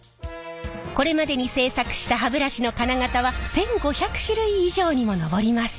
これまでに製作した歯ブラシの金型は１，５００種類以上にも上ります。